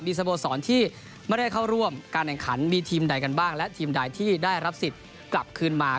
สโมสรที่ไม่ได้เข้าร่วมการแข่งขันมีทีมใดกันบ้างและทีมใดที่ได้รับสิทธิ์กลับคืนมา